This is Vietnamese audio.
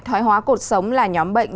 thói hóa cuộc sống là nhóm bệnh dịch bệnh